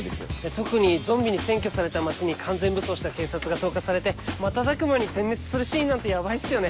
特にゾンビに占拠された街に完全武装した警察が投下されて瞬く間に全滅するシーンなんてヤバいっすよね。